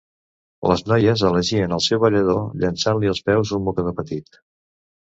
Les noies elegien el seu ballador llançant-li als peus un mocador petit.